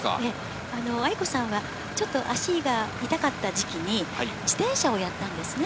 亜由子さんは、ちょっと足が痛かった時期に、自転車をやったんですね。